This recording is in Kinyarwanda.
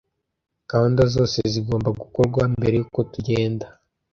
Gahunda zose zigomba gukorwa mbere yuko tugenda.